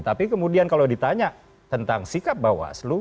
tapi kemudian kalau ditanya tentang sikap bawaslu